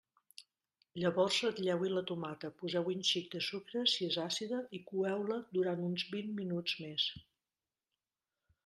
Llavors ratlleu-hi la tomata, poseu-hi un xic de sucre si és àcida i coeu-la durant uns vint minuts més.